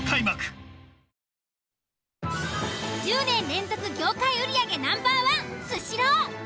１０年連続業界売り上げＮｏ．１「スシロー」。